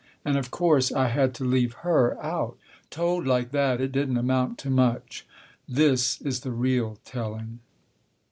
And of course I had to leave her out. Told like that, it didn't amount to much. This is the real telling.